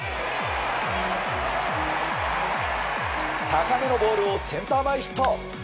高めのボールをセンター前ヒット。